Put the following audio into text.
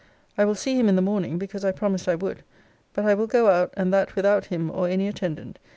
I will see him in the morning, because I promised I would. But I will go out, and that without him, or any attendant.